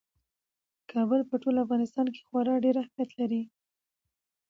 کابل په ټول افغانستان کې خورا ډېر زیات اهمیت لري.